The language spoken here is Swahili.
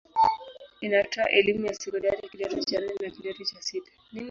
Inatoa elimu ya sekondari kidato cha nne na kidato cha sita.